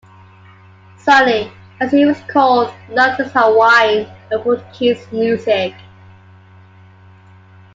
Sonny, as he was called, loved his Hawaiian and Portuguese music.